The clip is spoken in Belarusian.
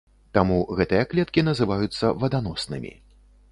Таму гэтыя клеткі называюцца ваданоснымі.